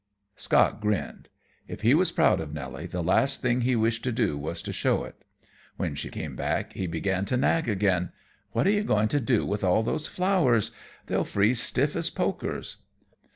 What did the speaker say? Scott grinned. If he was proud of Nelly, the last thing he wished to do was to show it. When she came back he began to nag again. "What are you going to do with all those flowers? They'll freeze stiff as pokers."